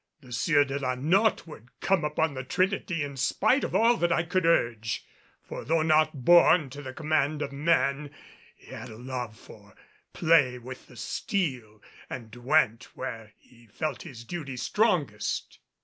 The Sieur de la Notte would come upon the Trinity in spite of all that I could urge, for though not born to the command of men, he had a love for play with the steel and went where he felt his duty strongest.